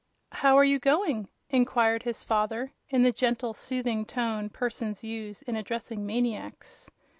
"How are you going?" inquired his father, in the gentle, soothing tone persons use in addressing maniacs.